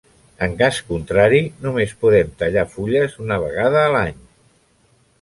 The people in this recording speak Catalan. En cas contrari, només podem tallar fulles una vegada a l'any.